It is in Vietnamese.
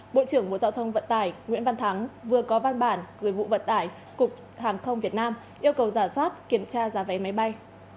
bộ trưởng bộ giao thông vận tải nguyễn văn thắng vừa có văn bản gửi vụ vận tải cục hàng không việt nam yêu cầu giả soát kiểm tra giá vé máy bay